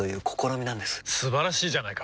素晴らしいじゃないか！